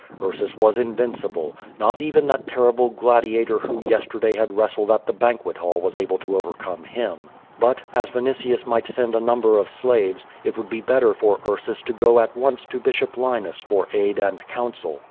Ursus was invincible: not even that terrible gladiator who yesterday had wrestled at the banquet hall was able to overcome him. l^ut, as Vinitius might send a num1)er of slaves, it wonU be better for Ursus to go at once to Bishop Ijinus for aid and counsel.